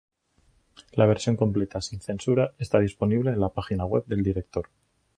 La versión completa sin censura está disponible en la página web del director.